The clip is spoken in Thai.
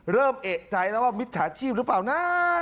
เริ่มเอกใจแล้วว่ามิจฉาชีพหรือเปล่านะ